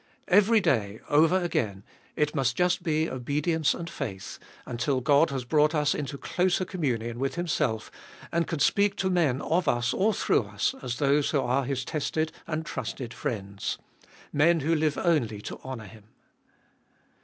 Every day, over again, it must just be obedience and faith, until God has brought us into closer communion with Himself, and can speak to men of us or through us as those who are His tested and trusted friends — men who live only to honour Him.